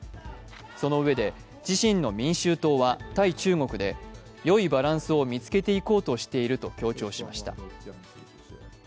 そのうえで自身の民衆党は対中国で良いバランスを見つけていこうとしていると強調しました。